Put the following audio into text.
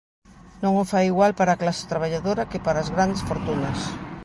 Non o fai igual para a clase traballadora que para as grandes fortunas.